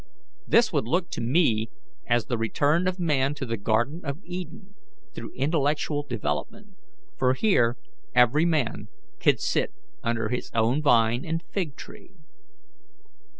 This would look to me as the return of man to the garden of Eden through intellectual development, for here every man can sit under his own vine and fig tree."